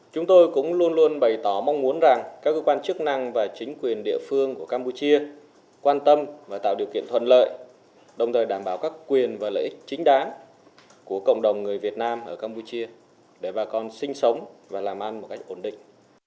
chúng tôi cũng luôn luôn bày tỏ mong muốn rằng các cơ quan chức năng và chính quyền địa phương của campuchia quan tâm và tạo điều kiện thuận lợi đồng thời đảm bảo các quyền và lợi ích chính đáng của cộng đồng người việt nam ở campuchia để bà con sinh sống và làm ăn một cách ổn định